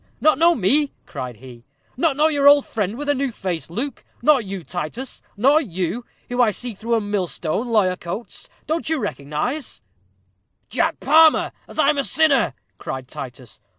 not know me?" cried he "not know your old friend with a new face, Luke? Nor you, Titus? Nor you, who can see through a millstone, lawyer Coates, don't you recognize " "Jack Palmer, as I'm a sinner!" cried Titus.